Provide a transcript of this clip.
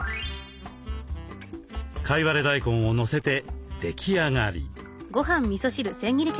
かいわれ大根をのせて出来上がり。